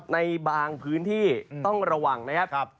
ในบางพื้นที่ต้องระวังนะครับ